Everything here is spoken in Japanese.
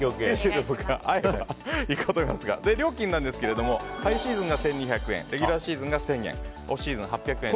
料金なんですがハイシーズンが１２００円レギュラーシーズン１０００円オフシーズン８００円。